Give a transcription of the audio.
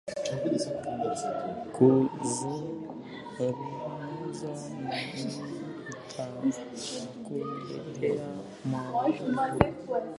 Kuzungumza na mimi itakuletea maadui.